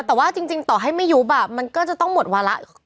แต่ว่าจริงต่อให้ไม่ยุบมันก็จะต้องหมดวาระ